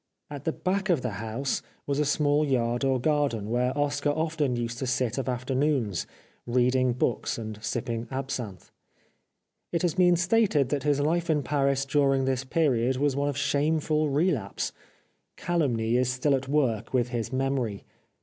At the back of the house 418 The Life of Oscar Wilde was a small yard or garden, where Oscar often used to sit of afternoons, reading books and sipping absinthe. It has been stated that his Hfe in Paris during this period was one of shameful relapse. Calumny is still at work with his memory.